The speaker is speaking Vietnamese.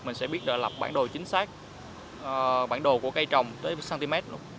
mình sẽ biết lập bản đồ chính xác bản đồ của cây trồng tới một cm